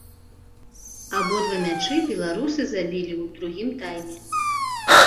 Абодва мячы беларусы забілі ў другім тайме.